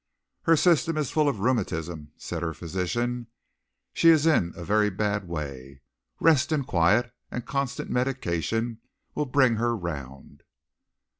"Her system is full of rheumatism," said her physician. "She is in a very bad way. Rest and quiet, and constant medication will bring her round."